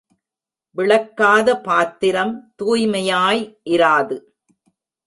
விளக்காத பாத்திரம் தூய்மையாய் இராது.